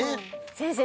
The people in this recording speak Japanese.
先生